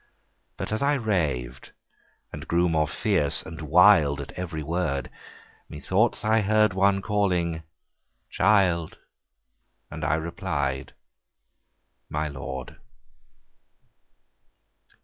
But as I rav'd and grew more fierce and wild At every word, Me thoughts I heard one calling, Child: And I reply'd, My Lord.